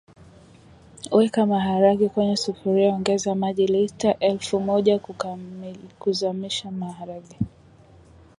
Weka maharage kwenye sufuria ongeza maji lita elfu moja kuzamisha maharage